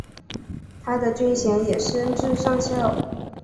他的军衔也升至上校。